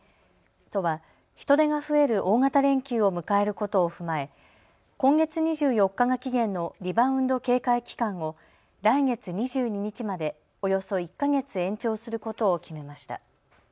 都は人出が増える大型連休を迎えることを踏まえ今月２４日が期限のリバウンド警戒期間を来月２２日まで、およそ１か月延長することを決めました。